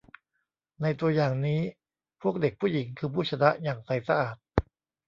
ในตัวอย่างนี้ พวกเด็กผู้หญิงคือผู้ชนะอย่างใสสะอาด